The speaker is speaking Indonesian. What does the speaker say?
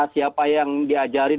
siapa yang diajarin